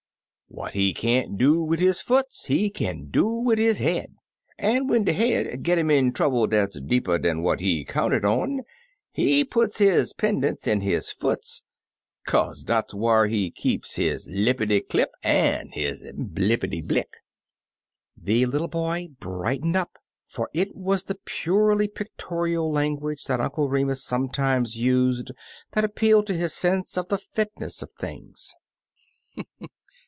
What he can't do wid his foots he kin do wid his head, an' when his head git 'im in trouble dat 's deeper dan ^at he counted on, he puts his 'pen' ence in his foots, kaze dar's whar he keeps his lippity clip an' his blickety blick." The little boy brightened up, for it was the purely pictorial language that Uncle Remus sometimes used that appealed to his sense of the fitness of things.